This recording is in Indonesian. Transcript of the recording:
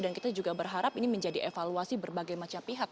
dan kita juga berharap ini menjadi evaluasi berbagai macam pihak